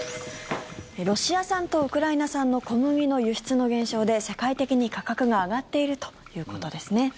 ロシア産とウクライナ産の小麦の輸出の減少で世界的に価格が上がっているということですね。